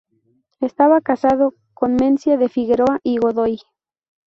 Estaba casado con Mencía de Figueroa y Godoy.